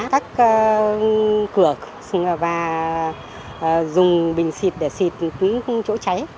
các cửa và dùng bình xịt để xịt những chỗ cháy